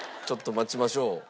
待ちましょう。